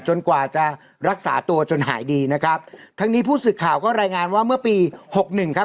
กว่าจะรักษาตัวจนหายดีนะครับทั้งนี้ผู้สื่อข่าวก็รายงานว่าเมื่อปีหกหนึ่งครับ